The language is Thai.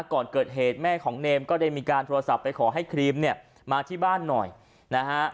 ก่อนเกิดเหตุแม่ของเนมก็ได้มีการโทรศัพท์ไปขอให้ครีมเนี่ยมาที่บ้านหน่อยนะฮะ